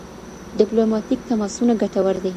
ډیپلوماټیک تماسونه ګټور دي.